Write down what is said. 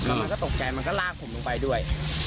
แล้วมันก็ตกใจมันก็ลากผมลงไปด้วย